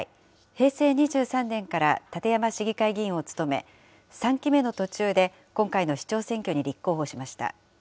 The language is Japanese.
平成２３年から館山市議会議員を務め、３期目の途中で今回の市長選挙に立候補しました。